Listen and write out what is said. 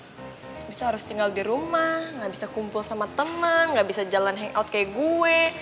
habis itu harus tinggal di rumah gak bisa kumpul sama teman gak bisa jalan hangout kayak gue